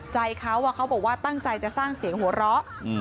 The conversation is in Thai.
ใจเขาเขาบอกว่าตั้งใจจะสร้างเสียงหัวเราะ